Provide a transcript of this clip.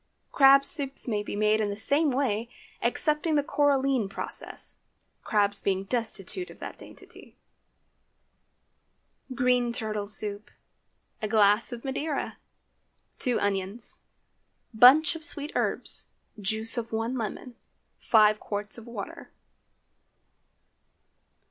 Crab soup may be made in the same way, excepting the coralline process, crabs being destitute of that dainty. GREEN TURTLE SOUP. A glass of Madeira. 2 onions. Bunch of sweet herbs. Juice of one lemon. 5 qts of water.